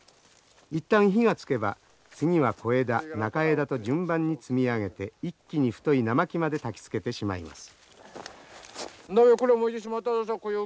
一旦火がつけば次は小枝中枝と順番に積み上げて一気に太い生木までたきつけてしまいます。